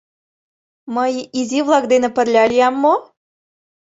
— Мый изи-влак дене пырля лиям мо?